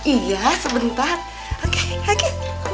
iya sebentar oke oke